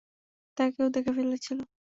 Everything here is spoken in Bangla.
তাকে কেউ দেখে ফেলেছিলো।